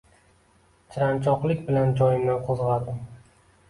Chiranchoqlik bilan joyimdan qo‘zg‘aldim